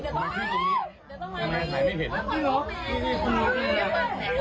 ใครจะไม่เห็นไหมบ้าง